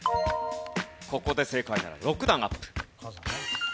ここで正解なら６段アップ。